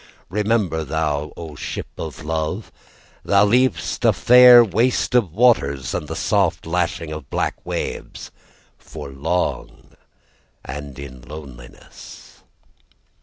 Remember, thou, O ship of love, Thou leavest a far waste of waters, And the soft lashing of black waves For long and in loneliness.